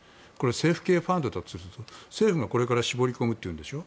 政府系ファンドで政府がこれから絞り込むっていうんでしょ。